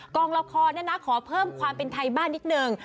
กองละครขอเพิ่มความเป็นไทยบ้านนิดนึง